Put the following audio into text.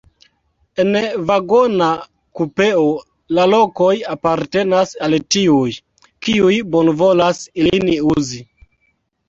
En vagona kupeo la lokoj apartenas al tiuj, kiuj bonvolas ilin uzi.